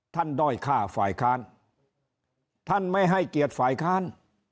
ด้อยฆ่าฝ่ายค้านท่านไม่ให้เกียรติฝ่ายค้าน